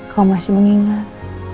kau masih mengingat